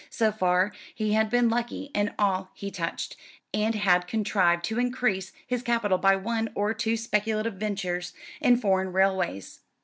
So far he had been lucky in all he touched, and had contrived to increase his capital by one or two speculative ventures in foreign railways.